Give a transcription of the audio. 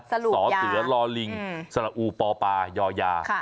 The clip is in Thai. สรุปยาสอเสือลอลิงสระอูปอปายอยา